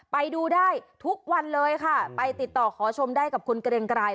ไปดูได้ทุกวันเลยค่ะไปติดต่อขอชมได้กับคุณเกรงไกร